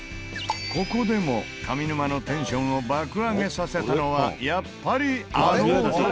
ここでも上沼のテンションを爆上げさせたのはやっぱりあの男。